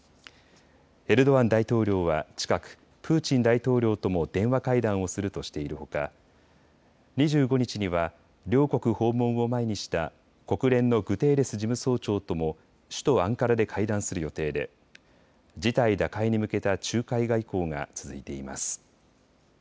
エルドアン大統領は近くプーチン大統領とも電話会談をするとしているほか２５日には両国訪問を前にした国連のグテーレス事務総長とも首都アンカラで会談する予定で事態打開に向けた仲介外交が続いています。